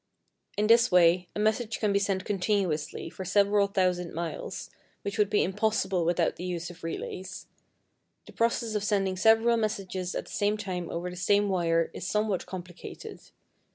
In this way, a message can be sent continuously for several thousand miles, which would be impossible without the use of relays. The process of sending several messages at the same time over the same wire is somewhat complicated.